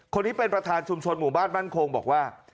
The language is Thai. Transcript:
คนนี้เป็นประธานชุมชนหมู่บ้านมั่นคงบอกว่า